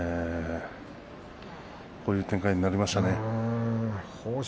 こういう展開になりましたね。